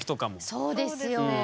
そうですね。